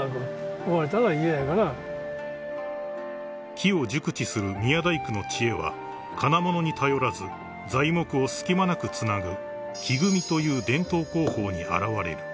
［木を熟知する宮大工の知恵は金物に頼らず材木を隙間なくつなぐ木組みという伝統工法に表れる］